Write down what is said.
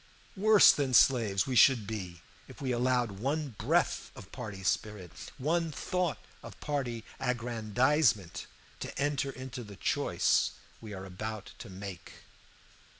Worse than slaves we should be if we allowed one breath of party spirit, one thought of party aggrandizement, to enter into the choice we are about to make.